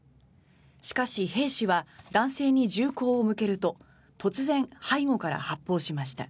しかし、兵士は男性に銃口を向けると突然、背後から発砲しました。